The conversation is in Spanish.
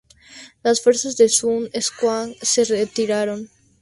Las fuerzas de Sun Quan se retiraron.